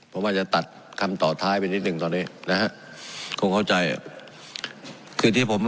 ผมอาจจะตัดคำต่อท้ายไปนิดนึงตอนนี้นะฮะคงเข้าใจคือที่ผม